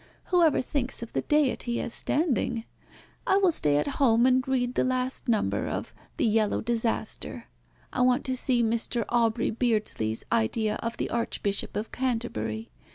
Whoever thinks of the Deity as standing? I will stay at home and read the last number of 'The Yellow Disaster.' I want to see Mr. Aubrey Beardsley's idea of the Archbishop of Canterbury.